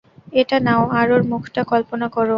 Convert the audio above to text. এটা নাও, আর ওর মুখটা কল্পনা করো।